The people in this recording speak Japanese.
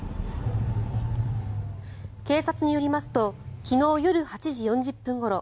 警察によりますと昨日夜８時４０分ごろ